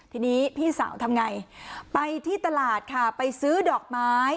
ทีนี้พี่สาวทำไงไปที่ตลาดค่ะไปซื้อดอกไม้